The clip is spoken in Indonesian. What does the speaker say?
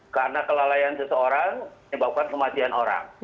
karena kelalaian seseorang menyebabkan kematian orang